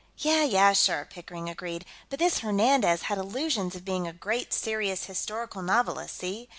"Yeh, yeh, sure," Pickering agreed. "But this Hernandez had illusions of being a great serious historical novelist, see.